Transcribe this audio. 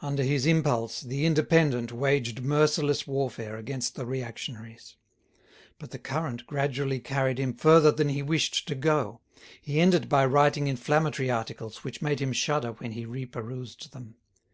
Under his impulse the "Indépendant" waged merciless warfare against the reactionaries. But the current gradually carried him further than he wished to go; he ended by writing inflammatory articles, which made him shudder when he re perused them.